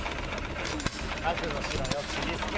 覚悟しろよちびすけ！